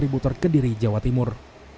berkediri jawa timur